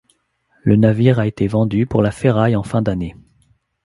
Le navire a été vendu pour la ferraille en fin d'année.